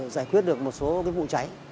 giải quyết được một số vụ cháy